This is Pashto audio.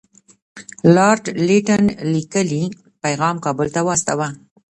لارډ لیټن لیکلی پیغام کابل ته واستاوه.